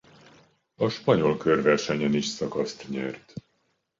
A Spanyol körversenyen is szakaszt nyert.